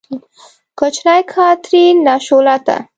کوچنۍ کاترین، ناشولته!